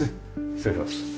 失礼します。